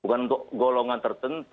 bukan untuk golongan tertentu